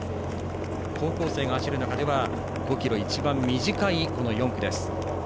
高校生が走る中では５ｋｍ、一番短い４区です。